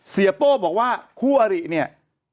โป้บอกว่าคู่อริเนี่ย